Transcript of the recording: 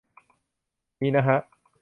มีนะฮะ